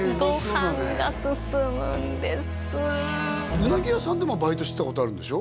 うなぎ屋さんでもバイトしてたことあるんでしょ？